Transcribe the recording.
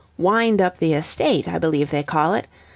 Wind up the estate, I believe they call it.